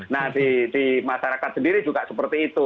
nah di masyarakat sendiri juga seperti itu